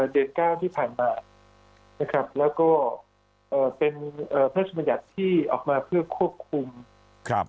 เดชน์๙ที่ผ่านมานะครับแล้วก็เป็นเพศมยัตริย์ที่ออกมาเพื่อควบคุม